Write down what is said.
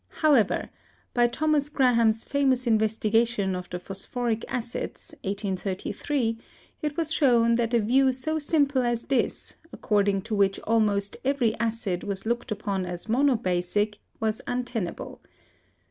However, by Thomas Graham's famous investigation of the phosphoric acids (1833), it was shown that a view so simple as this, according to which almost every acid was looked upon as monobasic, was untenable.